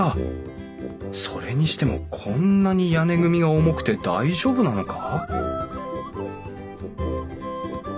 それにしてもこんなに屋根組が重くて大丈夫なのか？